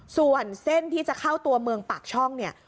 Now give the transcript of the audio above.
ส่วนเส้นที่จะเข้าตัวเมืองปากช่องเนี่ย